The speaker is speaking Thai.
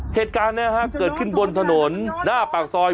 เหตุการณ์นี้เกิดขึ้นบนถนนหน้าปากซอย